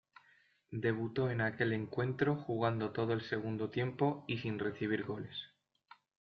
Debutó en aquel encuentro jugando todo el segundo tiempo y sin recibir goles.